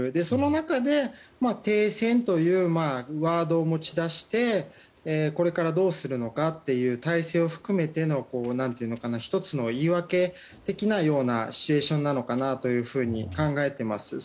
その中で、停戦というワードを持ち出してこれからどうするのかという体制を含めての１つの言い訳のようなシチュエーションなのかなというふうに考えています。